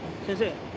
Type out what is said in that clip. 先生